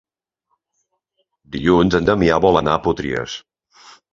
Dilluns en Damià vol anar a Potries.